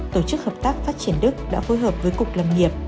tổ chức hợp tác phát triển đức đã phối hợp với cục lâm nghiệp